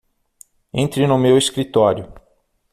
Entre no meu escritório!